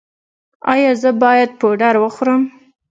ایا زه باید پوډر وخورم؟